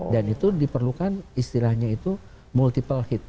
dan itu diperlukan istilahnya itu multiple hit